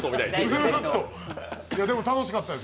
でも楽しかったです。